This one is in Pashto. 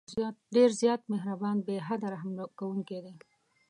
ډېر زیات مهربان، بې حده رحم كوونكى دى.